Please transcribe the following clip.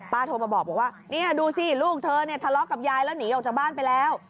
โทรมาบอกว่าเนี่ยดูสิลูกเธอเนี่ยทะเลาะกับยายแล้วหนีออกจากบ้านไปแล้ว